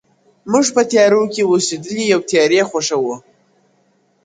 موږ په تيارو كي اوسېدلي يو تيارې خوښـوو _